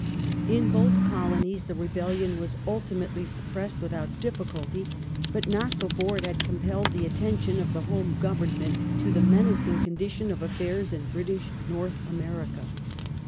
In both Colonies the rebellion was ultimately suppressed without difficulty, but not be fore it had compelled the attention of the Home Government to the menacing condition of aflairs in British North America.